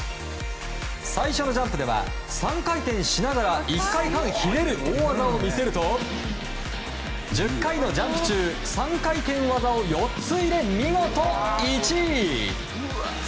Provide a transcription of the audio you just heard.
最初のジャンプでは３回転しながら１回半ひねる大技を見せると１０回のジャンプ中３回転技を４つ入れ、見事１位。